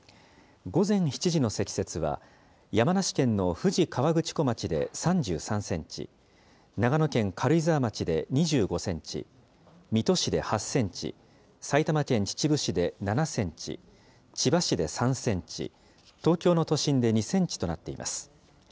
午前７時の積雪は山梨県の富士河口湖町で３３センチ、長野県軽井沢町で２５センチ、水戸市で８センチ、埼玉県秩父市で７センチ、千葉市で３センチ、東京の都心で２センチとなっています。